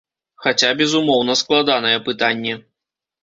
Хаця, безумоўна, складанае пытанне.